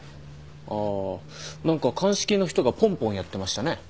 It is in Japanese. あー何か鑑識の人がポンポンやってましたね。